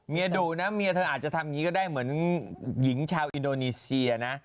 ดุนะเมียเธออาจจะทำอย่างนี้ก็ได้เหมือนหญิงชาวอินโดนีเซียนะ